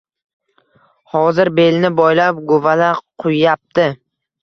Hozir belini boylab, guvala quyyapti.